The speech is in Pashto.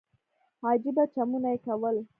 عجيبه چمونه يې کول.